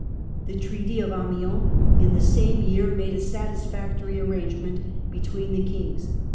The Treaty of Amiens in the same year made a satisfactory arrangement between the kings.